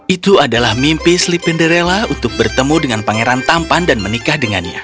itu adalah mimpi slippin' the rela untuk bertemu dengan pangeran tampan dan menikah dengannya